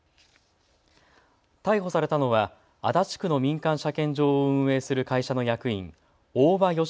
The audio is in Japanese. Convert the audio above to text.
逮捕されたのは足立区の民間車検場を運営する会社の役員、大庭志宏